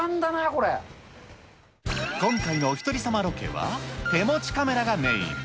今回のおひとり様ロケは、手持ちカメラがメイン。